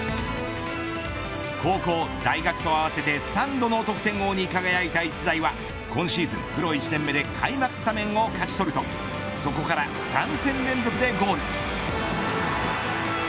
高校、大学と合わせて３度の得点王に輝いた逸材は今シーズン、プロ１年目で開幕スタメンを勝ち取るとそこから３戦連続でゴール。